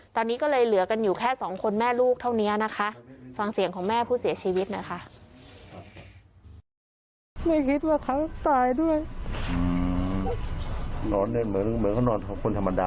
ตอนนี้ก็เลยเหลือกันอยู่แค่สองคนแม่ลูกเท่านี้นะคะฟังเสียงของแม่ผู้เสียชีวิตหน่อยค่ะ